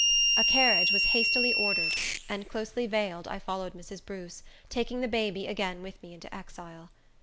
A carriage was hastily ordered; and, closely veiled, I followed Mrs. Bruce, taking the baby again with me into exile.